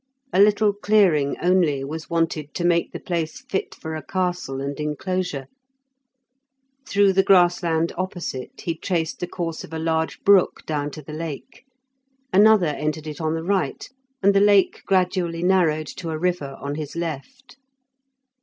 A little clearing only was wanted to make the place fit for a castle and enclosure. Through the grass land opposite he traced the course of a large brook down to the lake; another entered it on the right, and the lake gradually narrowed to a river on his left.